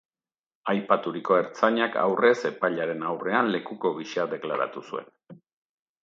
Aipaturiko ertzainak aurrez epailearen aurrean lekuko gisa deklaratu zuen.